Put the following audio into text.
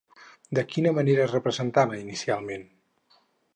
De quina manera es representava inicialment?